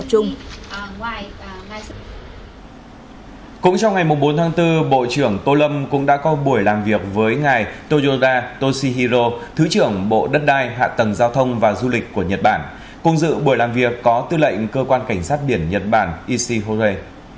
cũng trong ngày bốn tháng bốn bộ trưởng tô lâm cũng đã có buổi làm việc với ngài toyoga toshihiro thứ trưởng bộ đất đai hạ tầng giao thông và du lịch của nhật bản cùng dự buổi làm việc có tư lệnh cơ quan cảnh sát biển nhật bản ishi hodei